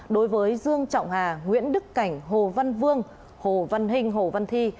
đối với dương trọng hà nguyễn đức cảnh hồ văn vương hồ văn hinh hồ văn thi